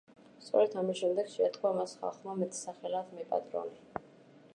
სწორედ ამის შემდეგ შეარქვა მას ხალხმა მეტსახელად „მეპატრონე“.